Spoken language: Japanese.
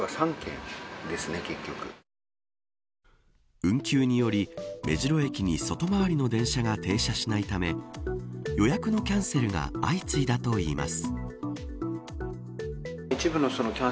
運休により、目白駅に外回りの電車が停車しないため予約のキャンセルが相次いだといいます。